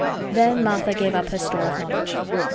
Then Martha gave up her store of knowledge.